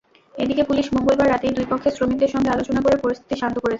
এদিকে পুলিশ মঙ্গলবার রাতেই দুই পক্ষের শ্রমিকদের সঙ্গে আলোচনা করে পরিস্থিতি শান্ত করেছে।